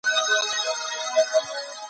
ځینې کورنۍ د تعلیم هڅه کړې وه.